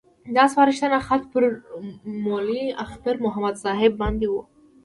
دا سپارښت خط پر مولوي اختر محمد صاحب باندې وو.